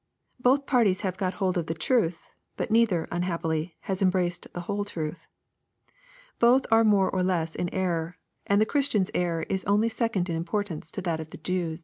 Both parties have got hold of the truth, but neither, unhappily, has embraced the whole truth. Both are more or less in error, and the Christian's error is only second in importance to that of the Jew.